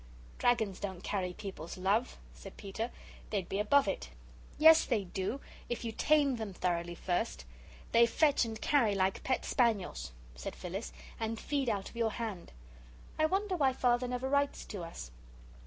"Dragons don't carry people's love," said Peter; "they'd be above it." "Yes, they do, if you tame them thoroughly first. They fetch and carry like pet spaniels," said Phyllis, "and feed out of your hand. I wonder why Father never writes to us."